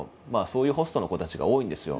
そういうホストの子たちが多いんですよ。